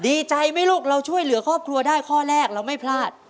ดีใจไหมลูกเราช่วยเหลือครอบครัวได้ข้อแรกเราไม่พลาด